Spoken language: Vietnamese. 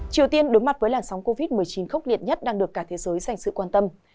triều tiên đối mặt với làn sóng covid một mươi chín khốc liệt nhất đang được cả thế giới dành sự quan tâm